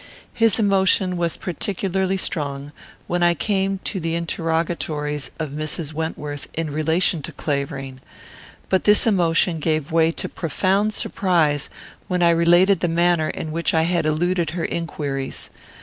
His emotion was particularly strong when I came to the interrogatories of Mrs. Wentworth in relation to Clavering; but this emotion gave way to profound surprise when I related the manner in which I had eluded her inquiries.